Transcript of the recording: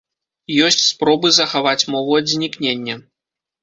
Ёсць спробы захаваць мову ад знікнення.